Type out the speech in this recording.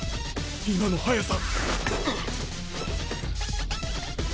今の速さ！